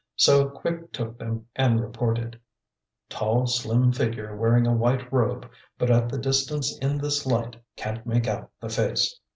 So Quick took them and reported. "Tall, slim figure wearing a white robe, but at the distance in this light can't make out the face.